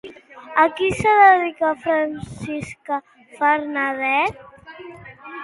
A què es dedica Francisca Benabent?